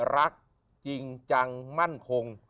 รักจริงจังมั่นคง